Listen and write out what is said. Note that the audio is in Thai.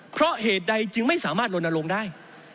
เพราะเหตุใดจึงไม่สามารถลงอารมณ์ได้